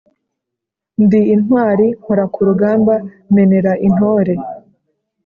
ndi intwari mpora ku rugamba menera intore.